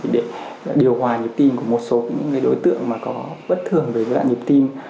để điều hòa nhịp tim của một số đối tượng có bất thường về tạo nhịp tim